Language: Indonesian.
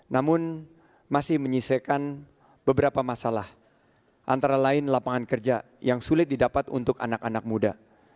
namun masih menyisakan beberapa masalah antara lain lapangan kerja yang sulit didapat untuk anak anak muda